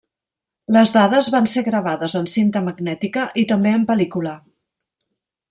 Les dades van ser gravades en cinta magnètica i també en pel·lícula.